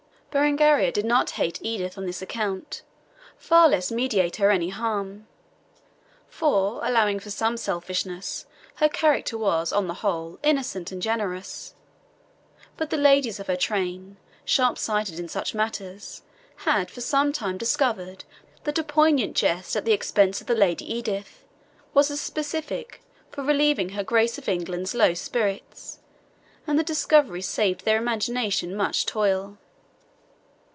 Berengaria did not hate Edith on this account, far less meditate her any harm; for, allowing for some selfishness, her character was, on the whole, innocent and generous. But the ladies of her train, sharpsighted in such matters, had for some time discovered that a poignant jest at the expense of the Lady Edith was a specific for relieving her Grace of England's low spirits, and the discovery saved their imagination much toil.